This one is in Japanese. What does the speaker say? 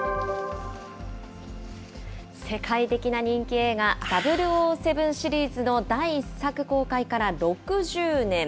世界的な人気映画、００７シリーズの第１作公開から６０年。